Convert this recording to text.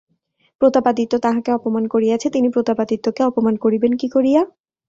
প্রতাপাদিত্য তাঁহাকে অপমান করিয়াছে– তিনি প্রতাপাদিত্যকে অপমান করিবেন কী করিয়া?